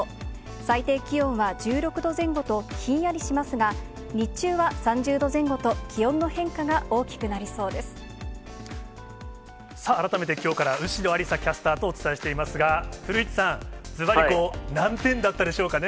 最低気温は１６度前後と、ひんやりしますが、日中は３０度前後と、さあ、改めてきょうから後呂有紗キャスターとお伝えしていますが、古市さん、ずばり何点だったでしょうかね。